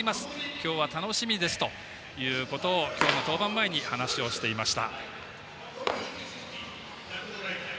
今日は楽しみですということを今日の登板前に話をしていました。